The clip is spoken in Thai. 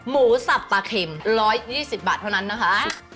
หมูสับปลาเข็มร้อยยี่สิบบาทเท่านั้นนะคะ